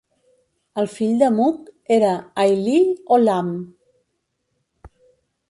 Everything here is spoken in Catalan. El fill de Mug era Ailill Ollamh.